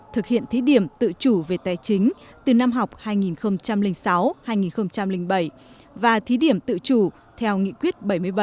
thực hiện thí điểm tự chủ về tài chính từ năm học hai nghìn sáu hai nghìn bảy và thí điểm tự chủ theo nghị quyết bảy mươi bảy